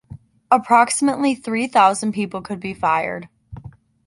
Approximately three thousand people could be fired.